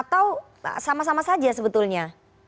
atau sama sama saja sebetulnya